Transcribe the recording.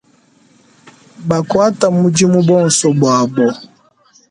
Bakuata mudimu bonso buabo.